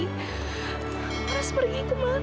harus pergi kemana